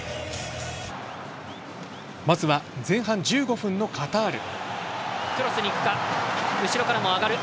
まずは前半１５分のカタール。